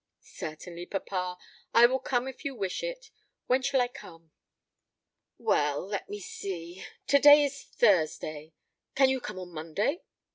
"Certainly, papa; I will come if you wish it. When shall I come?" "Well, let me see to day is Thursday; can you come on Monday?"